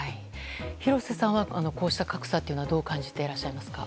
廣瀬さんはこうした格差というのはどう感じていらっしゃいますか。